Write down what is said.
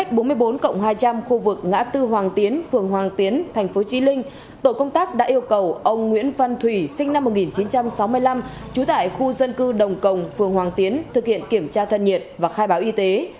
tổ ngã tư hoàng tiến phường hoàng tiến tp trí linh tổ công tác đã yêu cầu ông nguyễn văn thủy sinh năm một nghìn chín trăm sáu mươi năm trú tại khu dân cư đồng cồng phường hoàng tiến thực hiện kiểm tra thân nhiệt và khai báo y tế